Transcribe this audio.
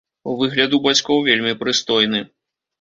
Выгляд у бацькоў вельмі прыстойны.